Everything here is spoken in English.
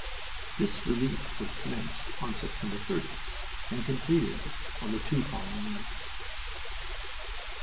This relief was commenced on September 30th, and completed on the two following nights."